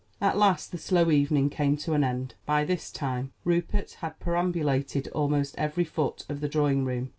At last the slow evening came to an end. By this time Rupert had perambulated almost every foot of the drawing room.